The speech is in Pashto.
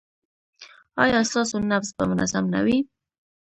ایا ستاسو نبض به منظم نه وي؟